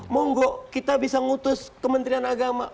monggo kita bisa ngutus kementerian agama